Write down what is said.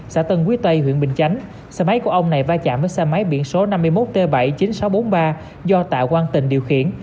xã tân quý tây huyện bình chánh xe máy của ông này va chạm với xe máy biển số năm mươi một t bảy mươi chín nghìn sáu trăm bốn mươi ba do tạ quang tình điều khiển